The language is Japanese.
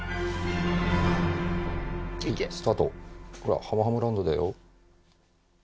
スタートほらはむはむランドだよ。